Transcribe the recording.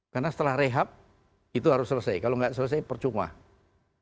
karena setelah rehab itu harus selesai kalau nggak selesai percuma ini hampir sama